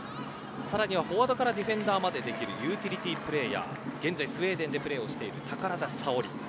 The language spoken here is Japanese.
さらには、フォワードからディフェンダーまでできるユーティリティープレーヤー現在スウェーデンでプレーしている宝田沙織。